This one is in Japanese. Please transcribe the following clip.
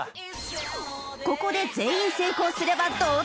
ここで全員成功すれば同点に！